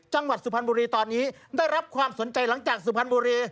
สุพรรณบุรีตอนนี้ได้รับความสนใจหลังจากสุพรรณบุรี